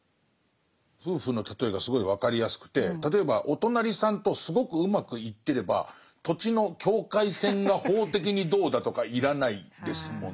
夫婦の例えがすごい分かりやすくて例えばお隣さんとすごくうまくいってれば土地の境界線が法的にどうだとか要らないですもんね。